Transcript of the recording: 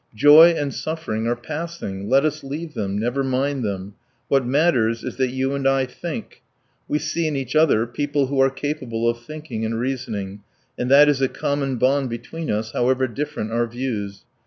Joy and suffering are passing; let us leave them, never mind them. What matters is that you and I think; we see in each other people who are capable of thinking and reasoning, and that is a common bond between us however different our views.